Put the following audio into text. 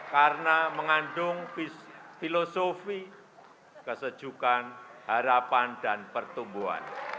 karena mengandung filosofi kesejukan harapan dan pertumbuhan